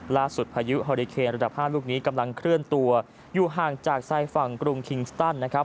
พายุฮอริเคนระดับ๕ลูกนี้กำลังเคลื่อนตัวอยู่ห่างจากชายฝั่งกรุงคิงสตันนะครับ